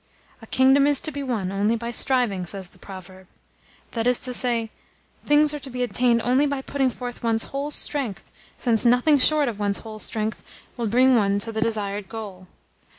'A kingdom is to be won only by striving,' says the proverb. That is to say, things are to be attained only by putting forth one's whole strength, since nothing short of one's whole strength will bring one to the desired goal.